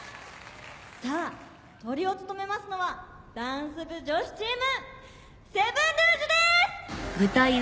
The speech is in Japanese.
さぁトリを務めますのはダンス部女子チームセブンルージュです！